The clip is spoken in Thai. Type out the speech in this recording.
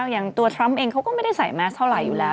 อย่างตัวทรัมป์เองเขาก็ไม่ได้ใส่แมสเท่าไหร่อยู่แล้ว